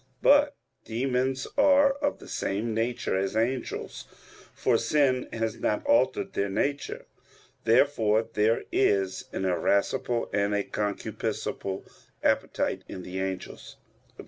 But demons are of the same nature as angels; for sin has not altered their nature. Therefore there is an irascible and a concupiscible appetite in the angels. Obj.